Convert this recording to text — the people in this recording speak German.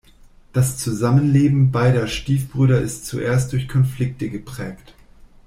Das Zusammenleben beider Stiefbrüder ist zuerst durch Konflikte geprägt.